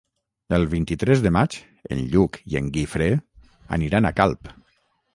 El vint-i-tres de maig en Lluc i en Guifré aniran a Calp.